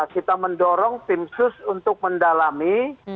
kita mendorong tim sus untuk mendalami